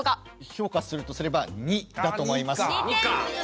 評価するとすれば２だと思います。